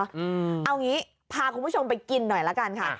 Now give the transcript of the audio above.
เอางี้พาคุณผู้ชมไปกินหน่อยละกันค่ะ